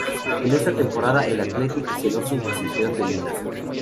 En esa temporada el Athletic quedó subcampeón de Liga.